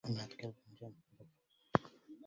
أنعت كلبا جال في رباطه